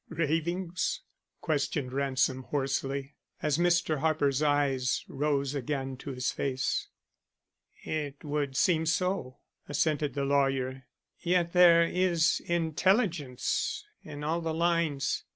"Ravings?" questioned Ransom hoarsely, as Mr. Harper's eyes rose again to his face. "It would seem so," assented the lawyer. "Yet there is intelligence in all the lines.